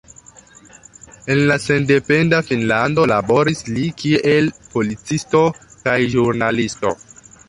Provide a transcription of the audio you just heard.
En la sendependa Finnlando laboris li kiel policisto kaj ĵurnalisto.